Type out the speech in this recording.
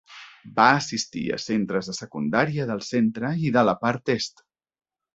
Va assistir a centres de secundària del centre i de la part est.